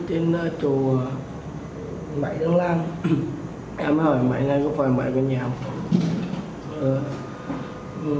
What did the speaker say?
em hỏi mãi này có phải mãi văn nhà không